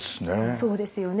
そうですよね。